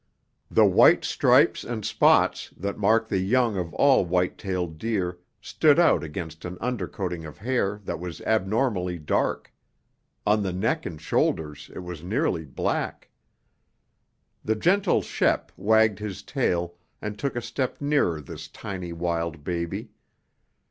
The white stripes and spots that mark the young of all white tailed deer stood out against an undercoating of hair that was abnormally dark; on the neck and shoulders it was nearly black. The gentle Shep wagged his tail and took a step nearer this tiny wild baby.